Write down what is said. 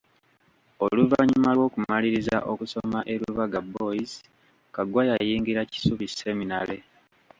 Oluvannyuma lw'okumaliriza okusoma e Lubaga boys Kaggwa yayingira Kisubi Seminary.